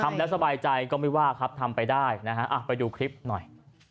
ทำแล้วสบายใจก็ไม่ว่าครับทำไปได้นะฮะไปดูคลิปหน่อย